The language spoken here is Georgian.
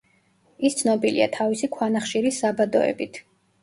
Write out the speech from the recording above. ის ცნობილია თავისი ქვანახშირის საბადოებით.